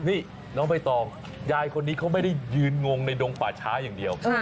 นี่น้องใบตองยายคนนี้เขาไม่ได้ยืนงงในดงป่าช้าอย่างเดียว